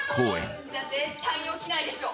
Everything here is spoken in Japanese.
絶対に起きないでしょ。